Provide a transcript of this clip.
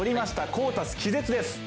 コータス気絶です。